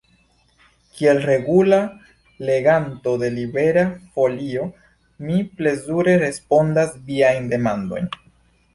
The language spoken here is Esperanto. Kiel regula leganto de Libera Folio, mi plezure respondas viajn demandojn.